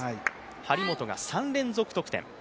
張本が３連続得点。